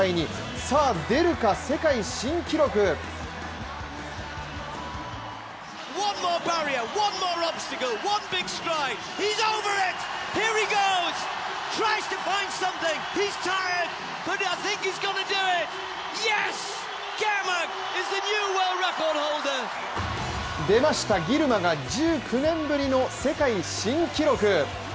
さあ出るか、世界新記録。出ました、ギルマが１９年ぶりの世界新記録。